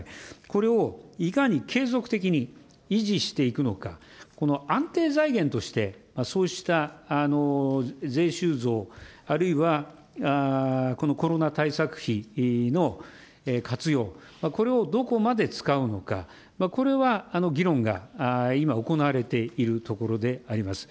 これをいかに継続的に維持していくのか、この安定財源として、そうした税収増、あるいはこのコロナ対策費の活用、これをどこまで使うのか、これは議論が今、行われているところであります。